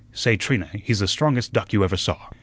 Say, Trina, he's the strongest duck you ever saw.